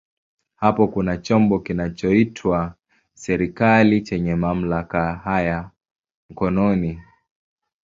Hapo kuna chombo kinachoitwa serikali chenye mamlaka haya mkononi.